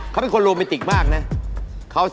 เขาเป็นคนโรแมนติกมากนะ